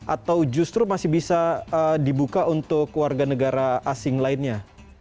atau justru masih bisa dibuka untuk warga negara asing lainnya